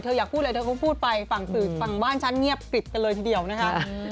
เธอยากพูดอะไรก็พูดไปฝั่งบ้านชั้นเงียบกริดกันเลยทีเดียวนะครับ